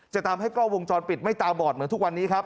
จะทำให้กล้องวงจรปิดไม่ตาบอดเหมือนทุกวันนี้ครับ